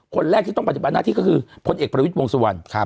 คนแรกที่ต้องปฏิบัติหน้าที่ก็คือพลเอกประวิทย์วงสุวรรณ